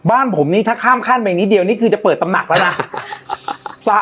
บ้านผมนี่ถ้าข้ามขั้นไปนิดเดียวนี่คือจะเปิดตำหนักแล้วนะ